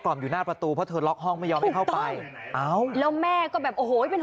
ก็มาออกมาทำแผลก่อน